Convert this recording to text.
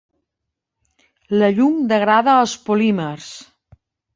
La llum degrada els polímers.